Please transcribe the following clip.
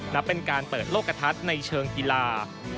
นับเป็นการเปิดโลกกระทัดในเชิงกีฬา